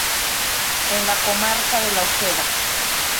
En la comarca de La Ojeda.